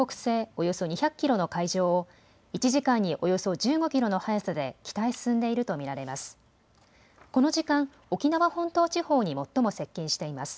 およそ２００キロの海上を１時間におよそ１５キロの速さで北へ進んでいると見られます。